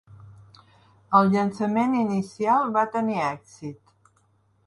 El llançament inicial va tenir èxit.